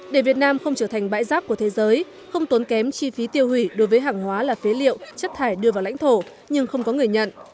để việt nam không trở thành bãi rác của thế giới không tốn kém chi phí tiêu hủy đối với hàng hóa là phế liệu chất thải đưa vào lãnh thổ nhưng không có người nhận